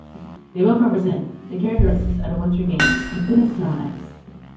They both represent the characteristics of the Winter Games, including "Snow and Ice".